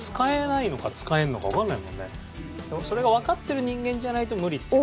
それがわかってる人間じゃないと無理っていう。